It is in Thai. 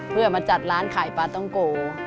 เพื่อมาจัดร้านขายปลาต้องโก